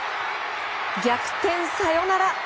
逆転サヨナラ！